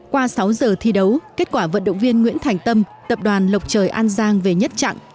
qua sáu giờ thi đấu kết quả vận động viên nguyễn thành tâm tập đoàn lộc trời an giang về nhất trạng